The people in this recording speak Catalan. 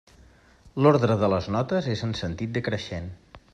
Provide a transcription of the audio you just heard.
L'ordre de les notes és en sentit decreixent.